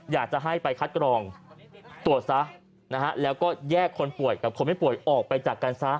อยากจะให้ไปคัดกรองตรวจซะนะฮะแล้วก็แยกคนป่วยกับคนไม่ป่วยออกไปจากกันซะ